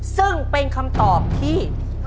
ซึ่งเป็นคำตอบที่